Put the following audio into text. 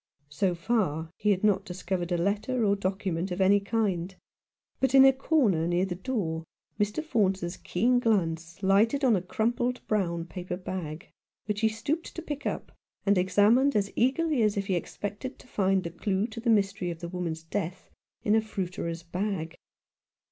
So far he had not dis covered a letter or document of any kind ; but in a corner near the door Mr. Faunce's keen glance lighted on a crumpled brown paper bag, which he stooped to pick up, and examined as eagerly as if he expected to find the clue to the mystery of the woman's death in a fruiterer's bag.